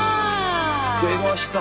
出ました！